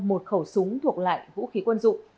một khẩu súng thuộc lại vũ khí quân dụng